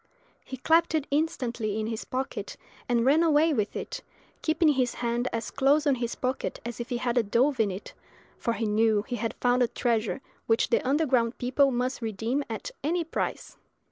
He clapped it instantly in his pocket, and ran away with it, keeping his hand as close on his pocket as if he had a dove in it, for he knew he had found a treasure which the underground people must redeem at any price.